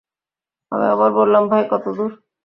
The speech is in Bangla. আমি আবার বললাম, ভাই, কত দূর?